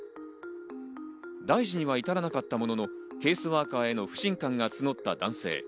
大事には至らなかったものの、ケースワーカーへの不信感が募った男性。